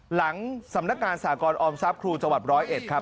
หลังสํนการสหกรออมทรัพย์คือจตวัดร้อยเอ็ดครับ